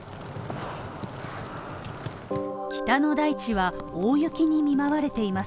北の大地は大雪に見舞われています。